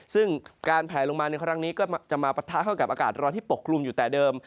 ซึ่งการนั้นก็จะปะทะเข้ากับอากาศลอนที่ปกลุ่มอยู่แต่เดิม